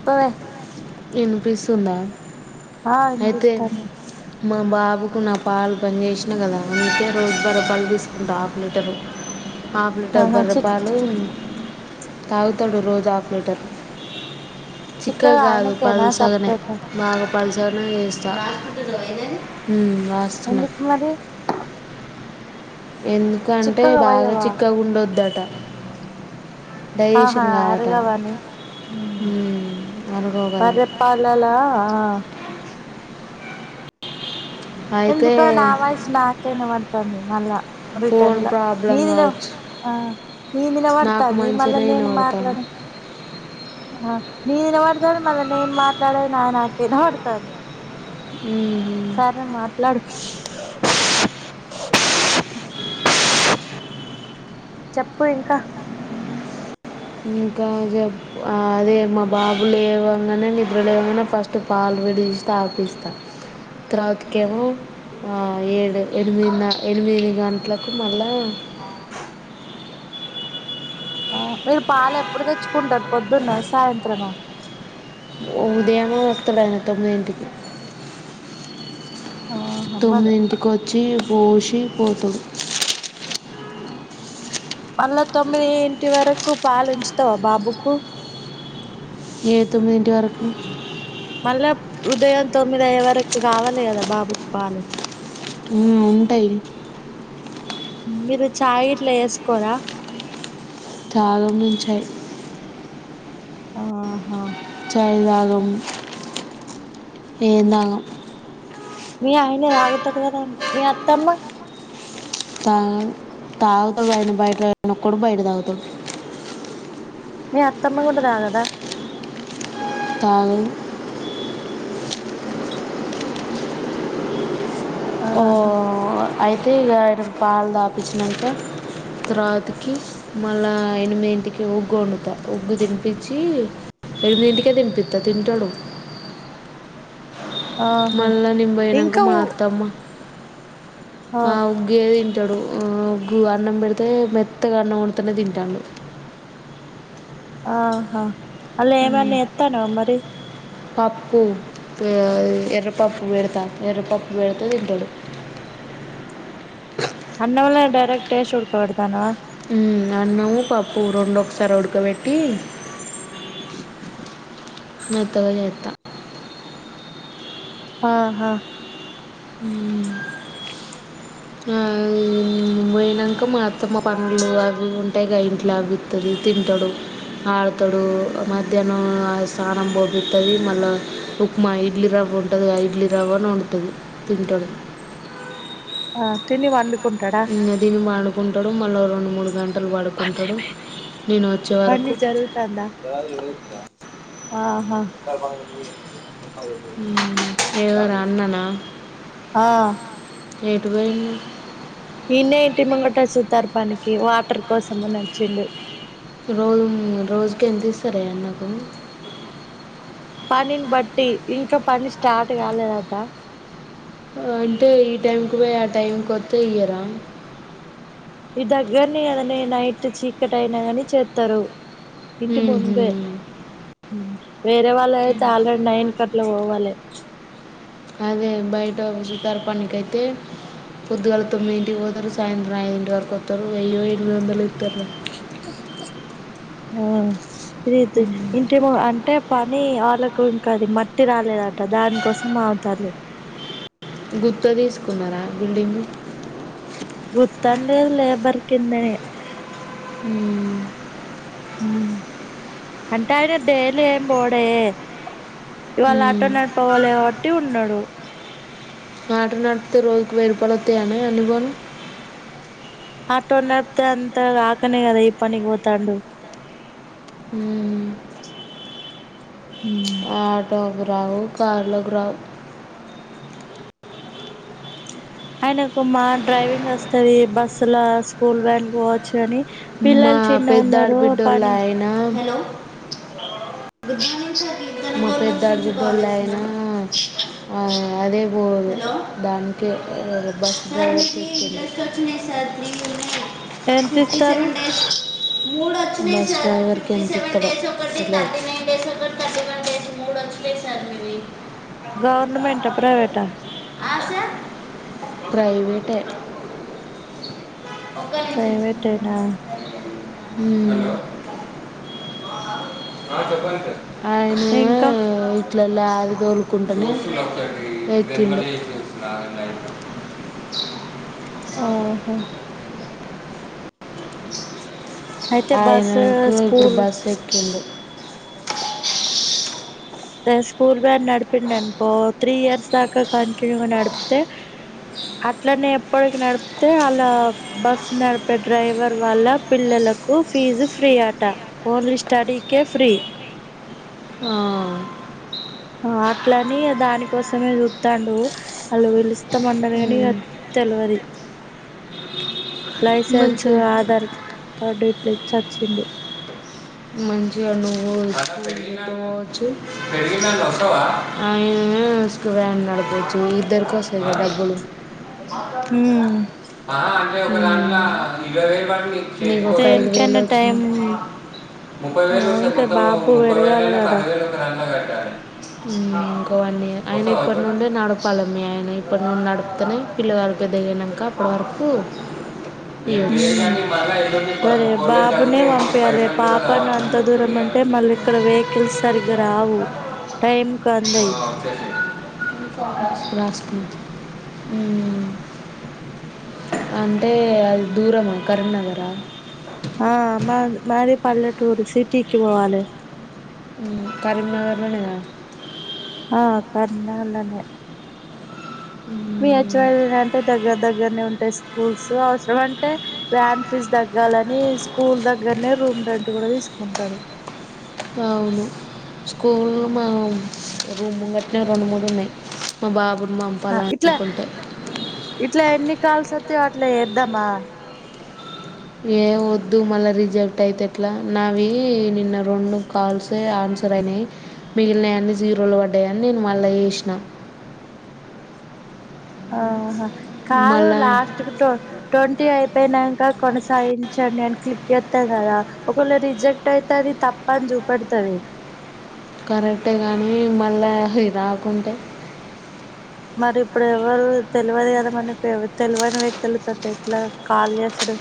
చెప్పవే విన్పిస్ తుందా ఆ అనిపిస్తాను మా బాబుకు నా పాలు పనిచేసినా కదా అందుకే రోజు బరే పాళ్ళు తీసుకుంటా అరలీటరు హాఫ్ లీటర్ ఆహా చిక్ బర్రపలు తాగుతాడు రోజు హాఫ్లీటర్ ఆ చిక్కగా కాదు ఆయనకేనా పలు సగనే సపరేటా బాగా పల్సర్లు వేస్తారు ఎందుకు మరి ఎందుకంటే చిక్కగా బాగా వయ్యవా చిక్కగాండొదుట ఆహా కావట అరుగవాని హ్మ్ ఉమ్, అనుకో కదా బరే పాలలా ఆ అయితే ఎందుకు నా ఆవాస నాకే ఇనబడుతోం ది మళ్ళ ఫోన్ రిటర్న్లా ప్రాబ్లం నీదిిన కావచ్చు ఆ నిధి విన నాకు పడుతుంది మళ్ళీ మంచిగానే నేను మాట్లాడి ఆ నేను నినబడతాను మళ్ళీ నేను మాట్లాడేది నా నాకేనబడుతాంది వినబడతాను సరే మాట్లాడు చెప్పు ఇంకా ఇంకా చెప్ ఆదే మా బాబులేవంగనే నిద్రలేవంగానె ఫస్ట్ పాల్ రెడీ చేస్ తాపిస్త తర్వాతకెమో ఆ ఏడు ఎనిమిది ఎనిమిది గంట్లకు మళ్ళా ఆ మీరు పాలెప్పుడు తెచ్చుకుంటరు పొద్దున్న సాయంత్రమా ఉదయమూ వస్తదంట మీ ఇంటికి ఆహా మళ్ళ తొమ్మిదింటికి ఒచ్ఛీ పోష్ కీ పోతుది మళ్ల తొమ్మిది ఇంటి వరకు పాలుంచుతవ బాబుకు ఏ తొమ్మిదింటి వరకు మళ్ళా ఉదయం తొమ్మిది అయ్యే వరకు కావల్లి కదా బాబుకు పాలు ఊ ఉంటయి మీరు చాయ్ ఇట్లేసుకోర చాయ ముంచై ఆహా చైల్ దాగం ఏందాగం మీ ఆయనే తాగుతడు కదా మీ అత్తమ్మ తా తాగుతుండ ఆయన బయటలొక్కడు బయట తాగుతడు మీ అత్తమ్మ కూడ తాగద తాగధు ఓ ఆహా అయిత్ తే ఇగ ఇడ పాల్ దాపించిననంక తర్వాతికి మళ్ళా ఎనిమిదింటికి ఉగ్గు వొండుత ఉగ్గు తినిపించి ఎనిమిదింటికే తినిపిత్త తింటడు ఆహా మల్ల నింబయినాక ఇంకా మా ఊ అత్తమ్మ ఆ ఉగ్గే దిన్ తడు. మ్ ఉగ్గు అన్నం పెడ్తే మెత్తగా అన్నం వండితేనే తింటాండు. ఆహా అల్లేమైన ఏత్తాన్నవా మరి పప్పు ఏ ఎర్రపప్పు పెడ్త ఎర్రపప్పు పెడ్తే తింటడు. అన్నంలో డైరెక్ట్ ఎసి ఉడక పెడ్తాన్నవా మ్ అన్నము పప్పు రొండు ఒక్సార్ ఉడకబెట్టి మెత్తగా చేత్త ఆహ ఆ పొయినంక మా అత్తమ్మ పండ్లు అవి ఉంటయ్ గా ఇంట్ల అవి ఇత్తది తింటడు. ఆడ్తడు మధ్యాహ్నం స్నానం పోపిత్తది మళ్ళా ఉప్మా ఇడ్లీ రవ్వ ఉంటదిగ ఇడ్లీ రవ్వను వండుతది. తింటడు. ఆ తిని వండు ఇంగ తిని [unintelligible] కుంటడు మల్లో రొండు, మూడు గంటలు పడుకుంటడు. నేన్ వచ్చే వరకు ఆహ మ్ఎవర్ అన్ననా ఆ ఏ ఎటు పోయింది ఈడ్నే ఇంటి ముంగట చూత్తార్ పనికి వాటర్ కోసమని అచ్చిండు. రోజు రోజుకెంతిస్తరే అన్నకు పనిని బట్టి ఇంకా పని స్టార్ట్ కాలేదట అంటే ఈ టైంకి పోయి ఆ టైంకి వత్తే ఇయ్యరా ఈ దగ్గర్నే కదనే నైట్ చీకటైనా గని చేత్తరు ఇంటి ముందే వేరే వాళ్ళైతే ఆల్రెడీ నైన్ కట్లా పోవాలె అదే బయట షికార్ పనికైతే పొద్దుగాల తొమ్మిదింటికి పోతరు సాయంత్రం ఐదింటి వరకు వస్తారు వెయ్యో ఎనిమిది వందలో ఆ ప్రీతి ఇంటేమో అంటే పని వాళ్ళకు ఇంకా అది మట్టి రాలేదట దానికోసం అగుతన్లు గుత్త తీస్కున్నరా బిల్డింగ్ గుత్తన్ లేదు లేబర్ కిందనే మ్ అంటే ఆయన డైలీ ఏం బోడే ఇవాళ ఉమ్ ఆటో నడపపోలే కాబట్టి ఉన్నడు ఆటో నడుప్తే రోజుకి వెయ్యి రూపాల్ వత్తయియనే అనుభవం ఆటో నడుప్తే అంత రాకనే కదా ఈ పనికి పోతాండు. మ్ ఆటో రావు కార్లకు రావ్ ఆయనకు మా డ్రైవింగ్ వస్తది బస్సు ల స్కూల్ వ్యాన్ గి పొవచ్చు గాని మా పెద్ద ఆడ బిడ్డళ్ళో అయ్యనా మా పెద్ద ఆడ బిడ్డళ్ళో అయ్యనా అదే పో దానికి బస్ డ్రైవర్కే పోవుడు ఎంత్తిస్తారు సెవెన్ డేస్ మూడు వచ్చ బస్ డ్రైవరికి ఎంతి ఇస్తాడో తెలియదు గవర్నమెంట్ ఆ ప్రైవేటా ప్రైవేట్ఎ ప్రైవేట్ఎనా ఆ హలో చెప్పండి సార్ అయినా ఇంకా వీట్లలా అది దొర్లుకుంటానే ఎతిండు ఆహా అయితే బస్సు ఆయనకు ఇప్పుడు స్కూల్ బాస్ ఎక్కిండు స్కూల్ వ్యాన్ గ నడిపిండ అనుకో త్రీ ఇయర్స్ దాకా కాంటున్యూగా నడిపితే అట్లా నే ఎప్పటికి నడిపేఅలా బస్ డ్రైవర్ వాళ్ళ పిల్లలకు ఫీజు ఫ్రీ అట ఓన్లీ స్టడీకే ఫ్రీ ఆ అట్లని దానికోసమే చూస్తాండు వాళ్ళు పిలుస్తా మన్నారు గాని ఉమ్, తెలివది లైసెన్సు మంచిగా ఆధార్ అడేటలే ఇచ్చి వచ్చిండు మంచిగా నువ్వు స్కూల్ కి పోవచ్చు ఆయనవ్యాన్ నడపవచ్చు ఇద్దరి కోసమెకదా డబ్బులు ఉమ్ ఆ అంటే ఒక దాంట్లా ఇరవై వేలు పడింది నీకొక ఐదువేలు దేనికైనా టైం వచ్చినాయి ముప్పై వేలు వస్తాయ్ ఇంకా మొత్తం బాబు ముప్పై వేల పెరగాలి ల్లా కదా పది వేలు ఇంకోవన్నీ వన్ ఇయర్ ఆయన ఇప్పటి నుండే నడపాల మీ ఆయన ఇప్పటి నుండి నడుపుతనే పిల్లవారి పెద్దగనాక అప్పటి వరకు ఉమ్ ఇయొచ్చు పని అంత దూరం అంటే మళ్ళీ ఇక్కడ వెకిల్స్ సరిగ్గా రావు టైమ్ కి ఆ, అందయి మ్ అంటే అది దూరమా కరీంనగరా ఆ మా మాది పల్లెటూరు సిటీకి పోవాలి కరీంనగర్లనేగదా ఆ కరీంన్గర్లోనే మీ ఉమ్, హెచ్వాలుంటే దగ్గర దగ్గరనే ఉంటాయి స్కూల్స్ అవసరం అంటే వ్యాన్ ఫీజ్ తగ్గాలని స్కూల్ దగ్గరనే రూమ్ రెంట్ గూడా తీసుకుంటరు అవును స్కూల్ మా రూమ్ ముగట్నే రెండు మూడు ఉన్నాయి మా బాబు ఇట్లే ఇట్లే ఎన్ని కాల్స్ అత్తయో ట్ల ఏద్దమా ఏ వద్దు మళ్ళా రిజెక్ట్ అయితే ఎట్లా నావి నిన్న రెండు కాల్సే ఆన్సర్ అయినాయి మిగిలినయా అన్ని జీరోలు పడ్డాయని నేను మళ్ళా చేసినా ఆహ కాదు మళ్ళా లాస్ట్ కి ట్వంటీ అయితే పోయినాక కొనసాగించండి అని క్లిక్ చేస్తాను కదా ఒకవేళ రిజెక్ట్ అయితే అది తప్ప అని చూపెడుతుంది కరెక్టే కగానీ మళ్ళా ఇ రాకుంటే మరి ఇప్పుడు ఎవరు తెలవదు కదా మనకి తెలువని వ్యక్తుల తోటి ఏట్లా కాల్ చేసూడు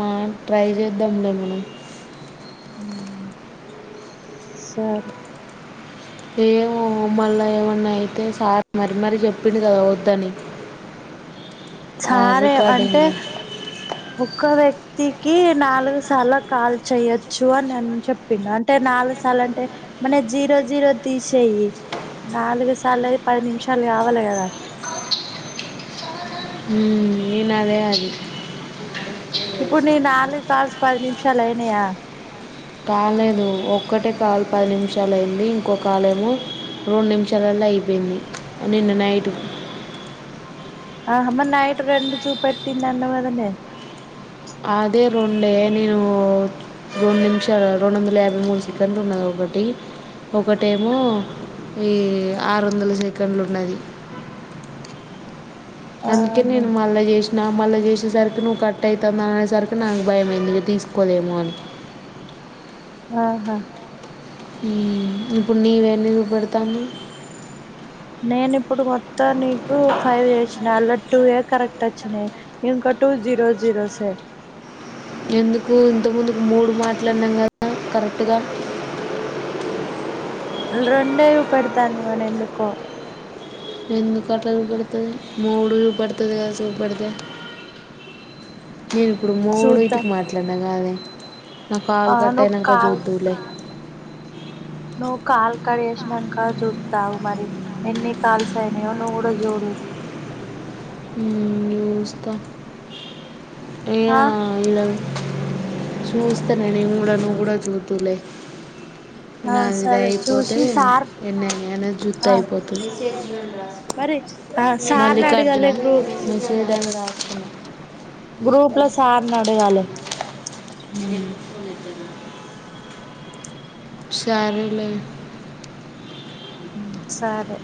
మా ట్రై చేద్దాంలే మనం మ్మ్ సరే ఏ మమ్మల్ళ ఏమన్నా అయితే సార్ మారీ మరీ చెప్పిండు కదా వద్దని ఆ సరే అంటే రికార్డింగ్ ఒక్క వ్యక్తికి నాలుగు సార్లు కాల్ చెయ్యొచ్చు అని నేను చెప్పిండు అంటే నాలుగు సార్లు అంటే మన జీరో జీరో తీసేయి నాలుగు సార్లు పది నిమిషాలు కావాలి కదా ఉ నేను అదే అన్న ఇప్పుడు నీ నాలుగు కాల్స్ పది నిమిషాలు అయినాయా కాలేదు ఒక్కటే కాల్ పది నిమిషాలు అయింది ఇంకో కాల్ ఏమో రెండు నిమిషాలల అయిపోయింది నిన్న నైట్ ఆ మరి నైట్ రెండు చూపెట్టింది అన్నావు కదనే అదే రెండే నేను రెండు నిమిషాలు రెండు వందల యాభై మూడు సెకండ్లు ఉన్నది ఒకటి ఒకటేమో ఈ ఆరు వందల సెకండ్లు ఉన్నది అందుకే ఆహా నేను మళ్ళా చేసా నా మళ్ళీ చేసేసరికి నువ్వు కట్ అయితంది అనే సరికి నాకు భయం తీసుకోలేమో అని ఆహా ఇప్పుడు నీవేన్నీ చూపెడుతాంది నేను ఇప్పుడు మొత్తాన్ని ఫైవ్ చెస్ అలా టూ ఏ కరెక్ట్ వచ్చినాయి ఇంకా టూ జీరో జీరోసే ఎందుకు ఇంత ముందుకు మూడు మాట్లాడినం కదా కరెక్ట్గా రెండే చూపెడుతాంది మరి ఎందుకో ఎందుకట్ల చుపేడుతడి మూడు చూపేడుతుంది కదా చూపేడితే నేను ఇప్పుడు మూడో చూద్దాం ఇటుకి మాట్లాడినా కాదే నా కాల్ ఆ కట్ నువ్వు అయినాక కాల్ చూదులే అ నువ్వు కాల్ కడేసినాక చూస్తా గు మరి ఎన్ని కాల్స్ అయినాయో నువ్వు కూడా చూడు చూస్తా ఏ ఆ ఇలా చూస్తాను నేను నువ్వు కూడా చూదులే ఆ నాది సరే అయిపోతే చూసి సార్ ఎన్నయ అనే జుత్త ఆ అయిపోతుంది మరి ఆ మళ్ళీ సార్ని క [unintelligible] అడగాలే గ్రూప్ చూడ్డానికి రాడు గ్రూపుల సార్న అడగాలే అ షారే లే సరే